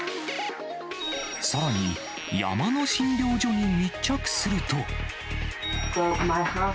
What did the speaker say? さらに山の診療所に密着すると。